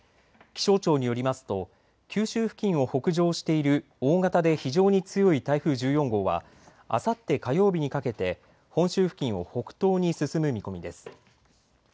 気象庁によりますと、九州付近を北上している大型で非常に強い台風１４号は、あさって火曜日にかけて本州付近を北東に進む見込みです。